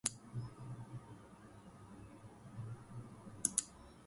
At least one media camera person hospitalized.